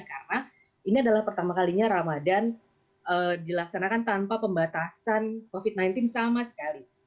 karena ini adalah pertama kalinya ramadan dilaksanakan tanpa pembatasan covid sembilan belas sama sekali